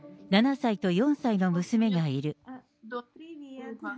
７歳と４歳の娘がいる。